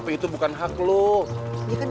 i cause you kijken lumah gue ya wang